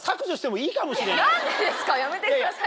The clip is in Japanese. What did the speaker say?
何でですかやめてくださいよ。